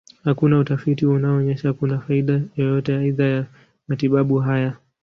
Hakuna utafiti unaonyesha kuna faida yoyote aidha ya matibabu haya.